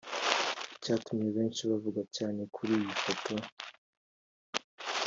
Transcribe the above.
Icyatumye benshi bavuga cyane kuri iyi foto